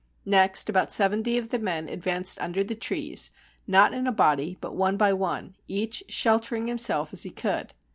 Next, about seventy of the men advanced un der the trees, not in a body, but one by one, each shel tering himself as he could.